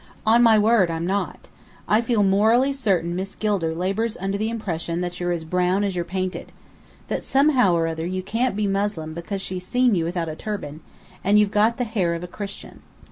"On my word, I'm not. I feel morally certain Miss Gilder labours under the impression that you're as brown as you're painted. That somehow or other you can't be Moslem because she's seen you without a turban, and you've got the hair of a Christian.